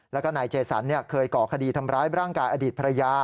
แล้วก็นายเจสันเคยก่อคดีทำร้ายร่างกายอดีตภรรยา